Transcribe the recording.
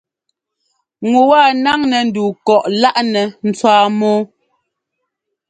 Ŋu wa náŋnɛ́ ndu kɔꞌ lá nɛ tswáa mɔ́ɔ.